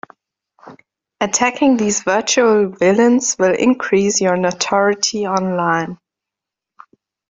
Attacking these virtual villains will increase your notoriety online.